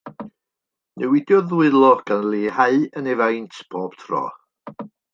Newidiodd ddwylo, gan leihau yn ei faint pob tro.